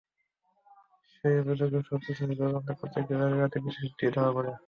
সেই অভিযোগের সূত্র ধরে তদন্ত করতে গিয়ে জালিয়াতির বিষয়টি ধরা পড়ে।